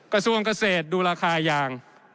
กระทรวงกระเศษดูราคายาง